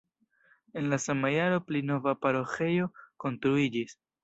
En la sama jaro pli nova paroĥejo konstruiĝis.